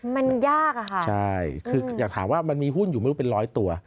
มันยากอะค่ะใช่คืออยากถามว่ามันมีหุ้นอยู่ไม่รู้เป็นร้อยตัว